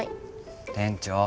店長